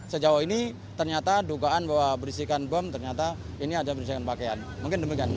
sejauh ini ternyata dugaan bahwa berisikan bom ternyata ini ada berisikan pakaian mungkin demikian